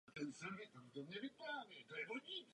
Dochoval se pouze oltářní obraz Panny Marie.